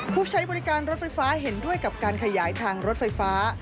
ผู้ใช้บริการรถไฟฟ้าเห็นด้วยกับการขยายทางรถไฟฟ้า